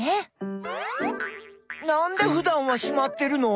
なんでふだんはしまってるの？